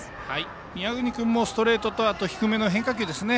宮國君もストレートと低めの変化球ですね。